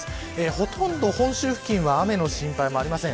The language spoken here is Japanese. ほとんど本州付近は雨の心配もありません。